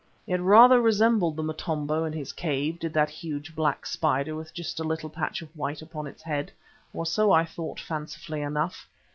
It rather resembled the Motombo in his cave, did that huge, black spider with just a little patch of white upon its head, or so I thought fancifully enough.